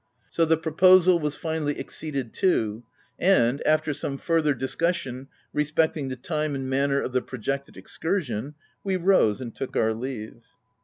So the proposal was finally acceded to; and, after some further discussion respecting the time and manner of the projected excursion, we rose, and took our leave.